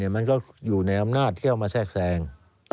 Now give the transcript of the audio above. มันก็อยู่ในอำนาจที่เอามาแทรกแทรง